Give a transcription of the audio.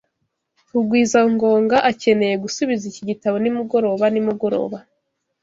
Rugwizangoga akeneye gusubiza iki gitabo nimugoroba nimugoroba.